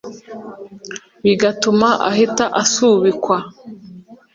bigatuma ahita asubikwa